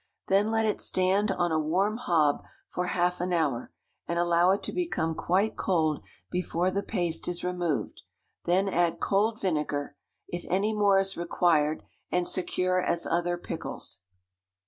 Then let it stand on a warm hob for half an hour, and allow it to become quite cold before the paste is removed; then add cold vinegar, if any more is required, and secure as other pickles.